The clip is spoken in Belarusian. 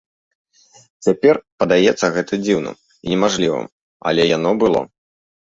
Цяпер падаецца гэта дзіўным і немажлівым, але яно было.